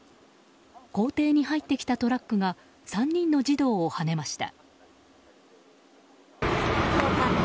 校庭に入ってきたトラックが３人の児童をはねました。